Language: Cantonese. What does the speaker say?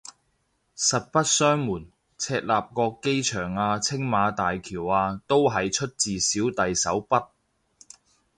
實不相瞞，赤鱲角機場啊青馬大橋啊都係出自小弟手筆